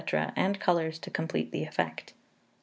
and colours, to complete the effect.